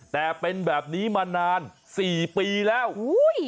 แต่เป็นแบบนี้มานาน๔ปีแล้ว